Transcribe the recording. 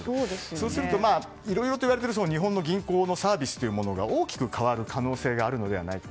そうするといろいろといわれている日本の銀行のサービスというものが大きく変わる可能性があるのではないか。